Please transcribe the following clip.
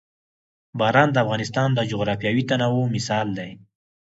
باران د افغانستان د جغرافیوي تنوع مثال دی.